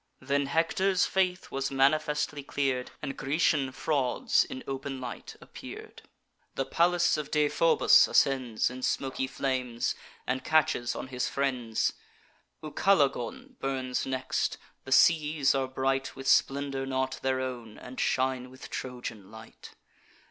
Then Hector's faith was manifestly clear'd, And Grecian frauds in open light appear'd. The palace of Deiphobus ascends In smoky flames, and catches on his friends. Ucalegon burns next: the seas are bright With splendour not their own, and shine with Trojan light.